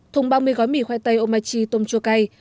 thùng bao mì gói mì khoai tây ômai chi tôm chua cay